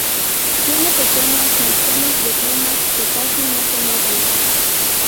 Tiene pequeñas mechones de plumas que casi no se notan.